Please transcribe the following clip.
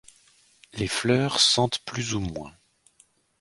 Les fleurs sentent plus ou moins.